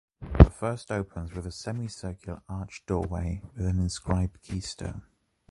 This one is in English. The first opens with a semicircular arch doorway with an inscribed keystone.